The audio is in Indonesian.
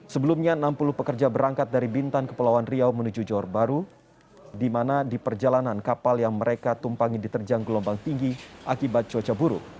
sebelumnya enam puluh pekerja berangkat dari bintan kepulauan riau menuju johor baru di mana di perjalanan kapal yang mereka tumpangi diterjang gelombang tinggi akibat cuaca buruk